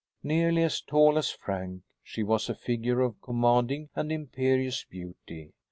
Nearly as tall as Frank, she was a figure of commanding and imperious beauty.